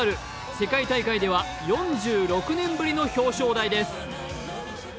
世界大会では４６年ぶりの表彰台です。